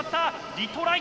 リトライ。